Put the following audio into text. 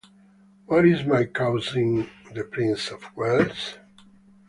Where is my cousin the Prince of Wales?